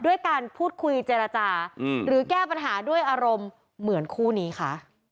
ด้วยการพูดคุยเจรจาหรือแก้ปัญหาด้วยอารมณ์เหมือนคู่นี้ค่ะ